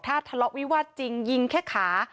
ถ้าทะเลาะวิวาสจริงยิงแค่ขา